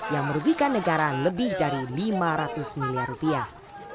yang merugikan negara lebih dari lima ratus miliar rupiah